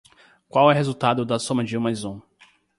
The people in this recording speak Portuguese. Qual é o resultado da soma de um mais um?